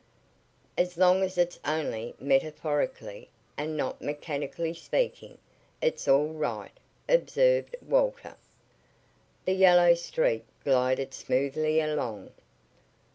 "As long as it's only metaphorically and not mechanically speaking, it's all right," observed Walter. The yellow Streak glided smoothly along.